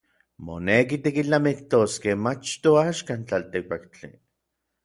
Moneki tikilnamiktoskej mach toaxka tlaltikpaktli.